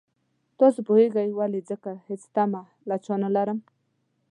تاسو پوهېږئ ولې ځکه هېڅ تمه له چا نه لرم.